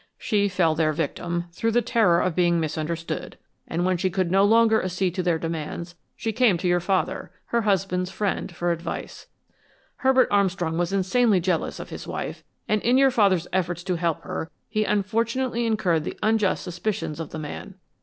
She fell their victim through the terror of being misunderstood, and when she could no longer accede to their demands she came to your father, her husband's friend, for advice. Herbert Armstrong was insanely jealous of his wife, and in your father's efforts to help her he unfortunately incurred the unjust suspicions of the man.